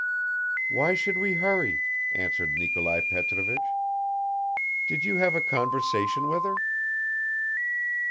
"Why should we hurry?" answered Nikolai Petrovich. "Did you have a conversation with her?"